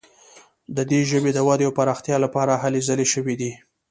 د دې ژبې د ودې او پراختیا لپاره هلې ځلې شوي دي.